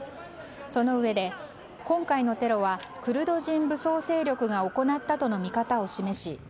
そのうえで、今回のテロはクルド人武装勢力が行ったとの見方を示し